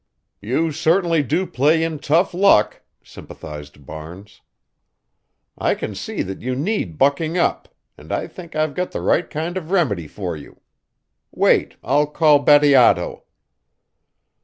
"You certainly do play in tough luck," sympathized Barnes. "I can see that you need bucking up, and I think I've got the right kind of remedy for you. Wait, I'll call Bateato."